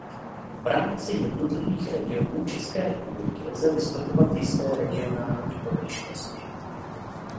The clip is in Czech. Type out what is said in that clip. V rámci jednotlivých regionů České republiky lze vystopovat jisté regionální odlišnosti.